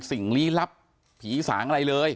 สิ่งลี้ลับผีสางอะไรเลย